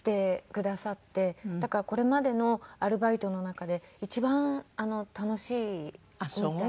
だからこれまでのアルバイトの中で一番楽しいみたい。